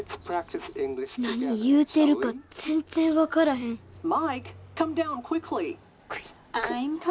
何言うてるか全然分からへん。